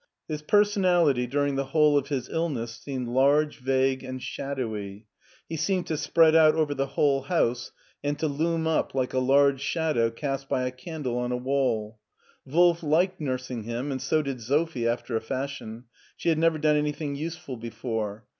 His personality during the whole of his illness seemed large, vague, and shadowy. He seemed to spread out over the whole house, and to loom up like a large shadow cast by a candle on a wall. Wolf liked nursing him, and so did Sophie after a fashion ; she had never done anything useful before.